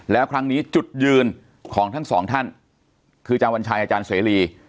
และครั้งนี้จุดยืนของทั้งสองท่านคือจวัญชายอสลี